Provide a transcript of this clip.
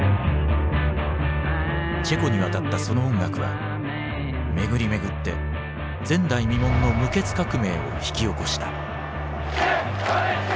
チェコに渡ったその音楽は巡り巡って前代未聞の無血革命を引き起こした。